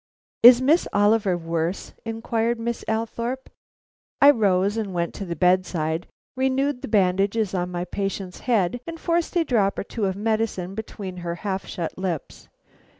"Is Miss Oliver worse?" inquired Miss Althorpe. I rose and went to the bedside, renewed the bandages on my patient's head, and forced a drop or two of medicine between her half shut lips.